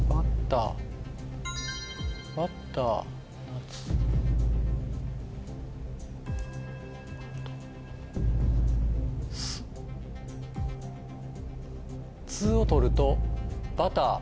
「ッ」を取ると「バター」。